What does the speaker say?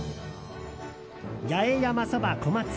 八重山そば小松。